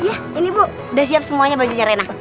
oh iya ini bu udah siap semuanya bajunya rena